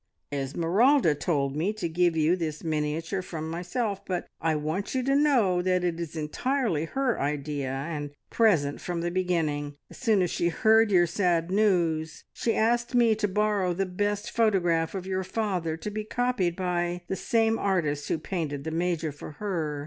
"Esmeralda told me to give you this miniature from myself, but I want you to know that it is entirely her idea and present from the beginning. As soon as she heard your sad news, she asked me to borrow the best photograph of your father, to be copied by the same artist who painted the Major for her.